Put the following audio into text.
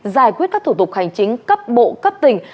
giải quyết các thủ tục hành chính cấp bộ cấp tỉnh